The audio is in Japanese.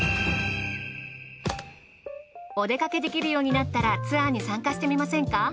お出かけできるようになったらツアーに参加してみませんか？